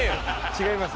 違います。